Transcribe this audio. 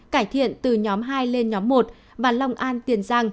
cải thiện từ nhóm hai lên nhóm một và long an tiền giang